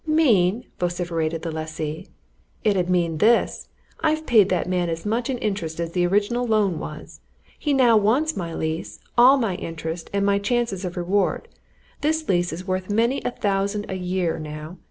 "Mean?" vociferated the lessee. "It 'ud mean this. I've paid that man as much in interest as the original loan was. He now wants my lease, all my interest, all my chances of reward this lease is worth many a thousand a year now!